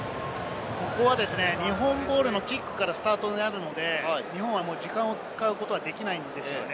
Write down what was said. ここは日本ボールのキックからスタートになるので、日本は時間を使うことはできないんですよね。